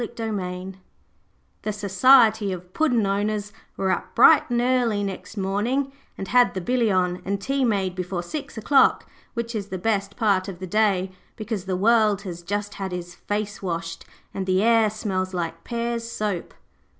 Second Slice The Society of Puddin' owners were up bright and early next morning, and had the billy on and tea made before six o'clock, which is the best part of the day, because the world has just had his face washed, and the air smells like Pears' soap.